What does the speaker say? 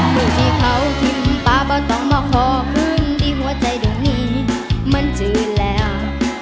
หนูที่เขาทิมป๊าบ่ต้องมาขอมือที่หัวใจตรงนี้มันเจือนแล้ว